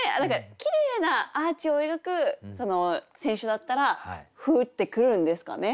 きれいなアーチを描く選手だったら降ってくるんですかね。